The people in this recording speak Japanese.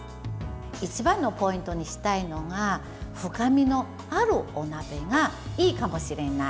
一番のポイントにしたいのが深みのあるお鍋がいいかもしれない。